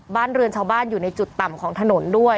บ้านเรือนชาวบ้านอยู่ในจุดต่ำของถนนด้วย